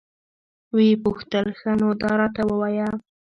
ويې پوښتل ښه نو دا راته ووايه.